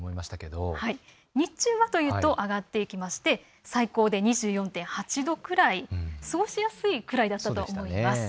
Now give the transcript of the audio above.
日中はというと上がっていきまして最高で２４．８度くらい、過ごしやすいくらいだったと思います。